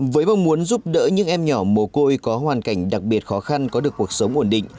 với mong muốn giúp đỡ những em nhỏ mồ côi có hoàn cảnh đặc biệt khó khăn có được cuộc sống ổn định